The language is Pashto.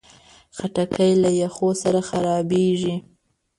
خټکی له یخو سره خرابېږي.